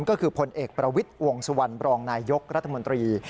ก็คือพลเอกประวิทย์วงสุวรรณบรองนายยกรัฐมนตรี